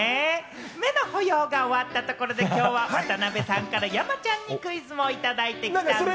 目の保養が終わったところで、きょうは渡辺さんから山ちゃんにクイズもいただいてきたんです。